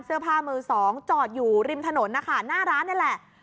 เสื้อผ้ามือสองจอดอยู่ริมถนนนะคะหน้าร้านนี่แหละ